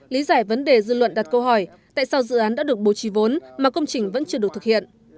lý giải vấn đề dư luận đặt câu hỏi tại sao dự án đã được bố trí vốn mà công trình vẫn chưa được thực hiện